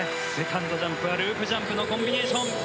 セカンドジャンプはループジャンプのコンビネーション。